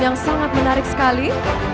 yang sangat menarik sekali